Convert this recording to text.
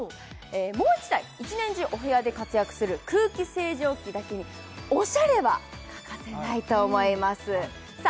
もう一台一年中お部屋で活躍する空気清浄機だけにオシャレは欠かせないと思いますさあ